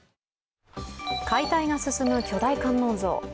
解体が進む巨大観音像。